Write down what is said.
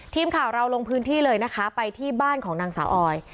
ทีมข่าวเราลงพื้นที่เลยนะคะไปที่บ้านของนางสาวออย